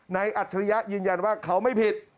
นายอัตภรรยะยืนยันว่าเขาไม่ผิด